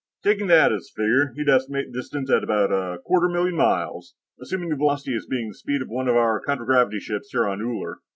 Taking that as the figure, he'd estimate the distance at about a quarter million miles, assuming the velocity as being the speed of one of our contragravity ships here on Uller.